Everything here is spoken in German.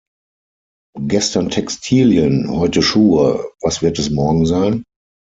Gestern Textilien, heute Schuhe, was wird es morgen sein?